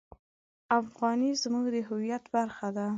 افغانۍ زموږ د هویت برخه ده.